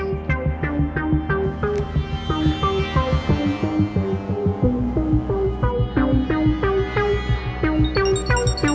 ibu salah sambung